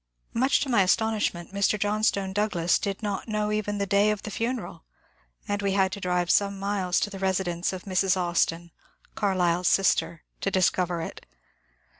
Much to my as tonishment Mr. Johnstone Douglas did not know even the day of the funeral, and we had to drive some miles to the residence of Mrs. Austin, Carlyle's sister, to discover it.